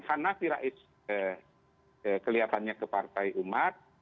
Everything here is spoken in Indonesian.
hanafi rais kelihatannya ke partai umat